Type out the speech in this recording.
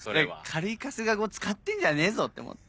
軽い春日語使ってんじゃねえぞって思って。